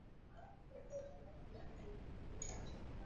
তারা নিলামের জন্য সব কিছু সেট করছে।